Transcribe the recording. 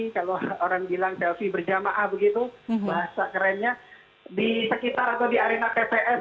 kalau orang bilang selfie berjamaah begitu bahasa kerennya di sekitar atau di arena tps